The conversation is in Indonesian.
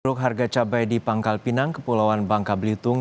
caca buruk harga cabai di pangkal pinang kepulauan bangka blitung